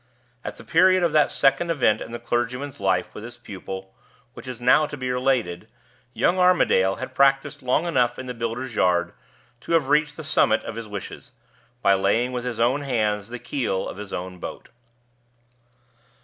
At the period of that second event in the clergyman's life with his pupil which is now to be related, young Armadale had practiced long enough in the builder's yard to have reached the summit of his wishes, by laying with his own hands the keel of his own boat.